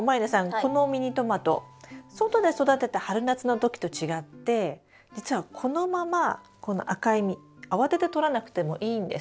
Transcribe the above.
このミニトマト外で育てた春夏の時と違って実はこのままこの赤い実慌ててとらなくてもいいんです。